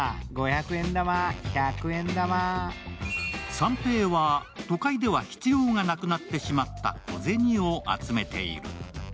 三平は都会では必要がなくなってしまった小銭を集めている。